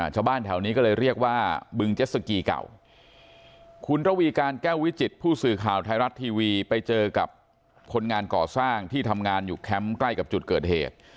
ชาวบ้านแถวนี้ก็เลยเรียกว่าบึงเจ็ดสกีเก่าคุณระวีการแก้ววิจิตผู้สื่อข่าวไทยรัฐทีวีไปเจอกับคนงานก่อสร้างที่ทำงานอยู่แคมป์ใกล้กับจุดเกิดเหตุ